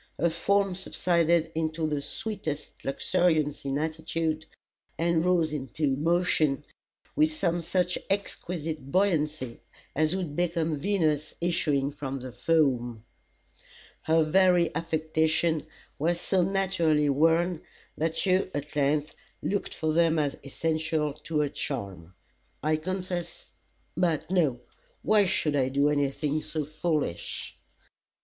Her form subsided into the sweetest luxuriance of attitude, and rose into motion with some such exquisite buoyancy, as would become Venus issuing from the foam. Her very affectations were so naturally worn, that you at length looked for them as essential to her charm. I confess but no! Why should I do anything so foolish?